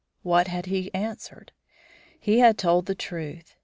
What had he answered? He had told the truth.